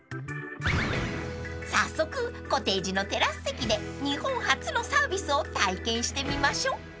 ［早速コテージのテラス席で日本初のサービスを体験してみましょ］